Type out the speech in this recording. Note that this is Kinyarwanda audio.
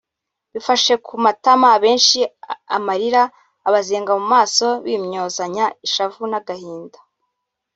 bifashe ku matama abenshi amarira abazenga mu maso bimyozana ishavu n’agahinda